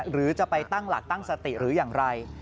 หรือจะไปตั้งหลักตั้งสติหรืออย่างไร